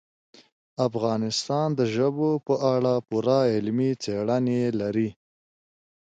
افغانستان د ژبو په اړه پوره علمي څېړنې لري.